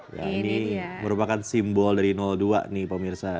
ya ini merupakan simbol dari dua nih pemirsa